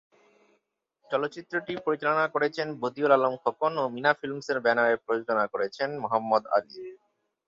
চলচ্চিত্রটি পরিচালনা করেছেন বদিউল আলম খোকন ও মিনা ফিল্মসের ব্যানারে প্রযোজনা করেছেন মোহাম্মদ আলী।